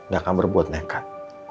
gak akan berbuat nekat